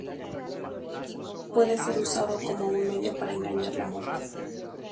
Puede ser usado como un medio para engañar la muerte.